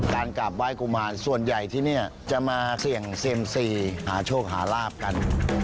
การกลับไห้กุมารส่วนใหญ่ที่นี่จะมาเสี่ยงเซียมซีหาโชคหาลาบกัน